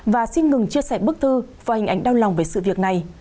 và xin ngừng chia sẻ bức thư và hình ảnh đau lòng về sự việc này